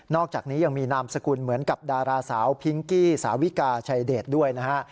อกจากนี้ยังมีนามสกุลเหมือนกับดาราสาวพิงกี้สาวิกาชัยเดชด้วยนะฮะ